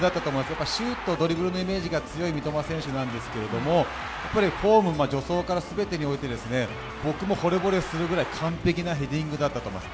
やっぱりシュート、ドリブルのイメージが強い三笘選手ですがフォームも助走から全てにおいて僕もほれぼれするくらい完璧なヘディングだったと思います。